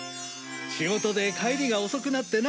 仕事で帰りが遅くなってな。